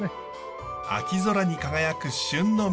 秋空に輝く旬の実り。